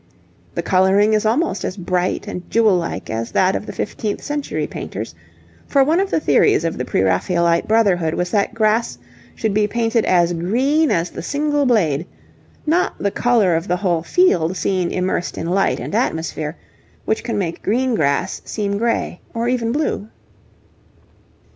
The colouring is almost as bright and jewel like as that of the fifteenth century painters, for one of the theories of the Pre Raphaelite Brotherhood was that grass should be painted as green as the single blade not the colour of the whole field seen immersed in light and atmosphere, which can make green grass seem gray or even blue.